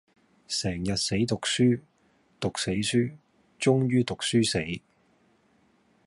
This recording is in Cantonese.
成日死讀書,讀死書,終於讀書死